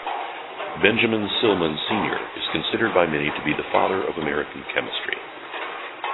Benjamin Silliman Senior is considered by many to be the father of American chemistry.